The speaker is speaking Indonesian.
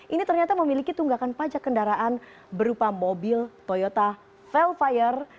ini ternyata memiliki tunggakan pajak kendaraan berupa mobil toyota velfire